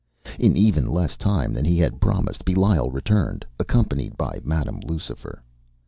In even less time than he had promised, Belial returned, accompanied by Madam Lucifer.